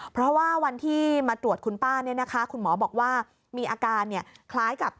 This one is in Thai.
เพราะว่าวันที่มาตรวจคุณป้าเนี่ยนะคะคุณหมอบอกว่ามีอาการคล้ายกับ